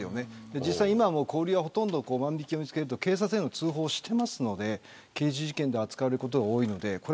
実際、今も小売店は万引を見つけると警察へ通報をしてますので刑事事件として扱われることが多いです。